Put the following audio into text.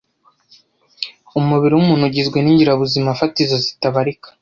Umubiri wumuntu ugizwe ningirabuzimafatizo zitabarika.